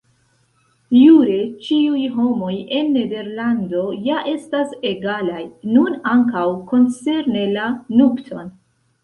Jure ĉiuj homoj en Nederlando ja estas egalaj, nun ankaŭ koncerne la nupton.